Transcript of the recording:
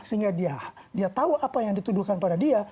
sehingga dia tahu apa yang dituduhkan pada dia